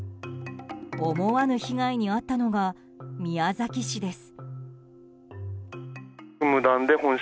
思わぬ被害に遭ったのが宮崎市です。